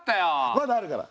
まだあるから。